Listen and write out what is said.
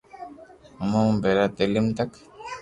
امو مون ڀيرا، تعليم تڪ